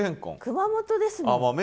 熊本ですもん。